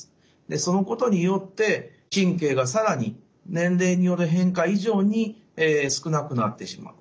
そのことによって神経が更に年齢による変化以上に少なくなってしまう。